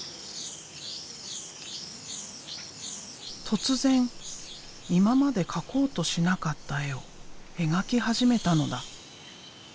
突然今まで描こうとしなかった絵を描き始めたのだ。